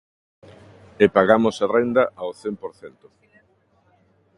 E pagamos a renda ao cen por cento.